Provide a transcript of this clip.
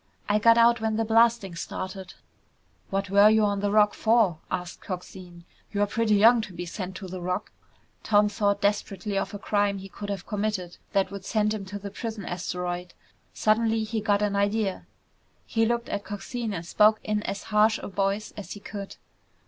I got out when the blasting started." "What were you on the Rock for?" asked Coxine. "You're pretty young to be sent to the Rock." Tom thought desperately of a crime he could have committed that would send him to the prison asteroid. Suddenly he got an idea. He looked at Coxine and spoke in as harsh a voice as he could.